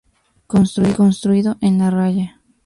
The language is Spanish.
Construido en La Raya.